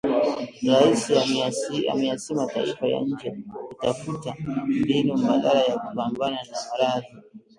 Rais ameyasihi mataifa ya nje kutafuta mbinu mbadala ya kupambana na maradhi